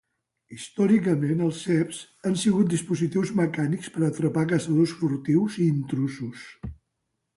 Històricament els ceps han sigut dispositius mecànics per a atrapar caçadors furtius i intrusos.